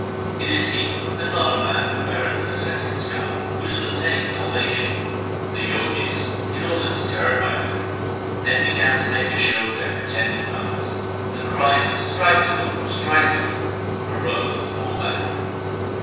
It is he, and not a man who weareth an ascetic's garb, who shall obtain salvation.' The Jogis, in order to terrify the Guru, then began to make a show of their pretended powers, and cries of ' Strike the Guru ! strike the Guru !' arose from the whole band.